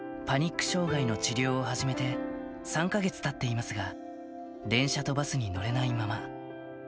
パニック障害の治療を始めて３か月たっていますが、電車とバスに乗れないまま。